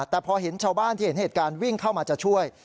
แต่พอเห็นชาวบ้านที่เห็นเหตุการณ์วิ่งเข้ามาจะช่วย